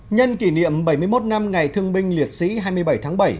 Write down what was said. nhân kỷ niệm bảy mươi một năm ngày thương binh liệt sĩ hai mươi bảy tháng bảy